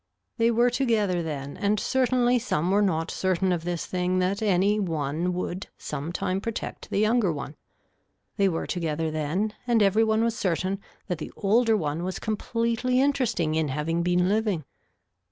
They were together then and certainly some were not certain of this thing that any one would sometime protect the younger one. They were together then and every one was certain that the older one was completely interesting in having been living.